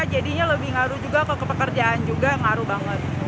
jadinya lebih ngaruh juga ke pekerjaan juga ngaruh banget